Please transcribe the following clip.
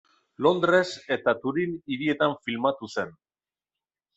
Londres eta Turin hirietan filmatu zen.